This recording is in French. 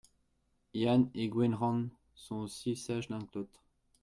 Yann et Gwenc’hlan sont aussi sages l’un que l’autre.